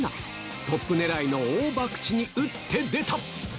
トップねらいの大博打に打って出た。